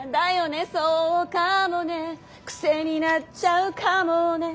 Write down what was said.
「そうかもねくせになっちゃうかもね」